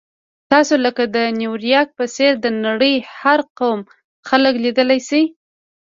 تاسو لکه د نیویارک په څېر د نړۍ د هر قوم خلک لیدلی شئ.